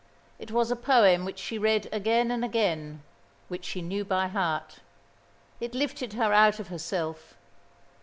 It was a poem which she read again and again, which she knew by heart. It lifted her out of herself.